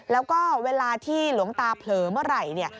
แล้วก็เวลาที่หลวงตาเผลอเมื่อไหร่เนี่ย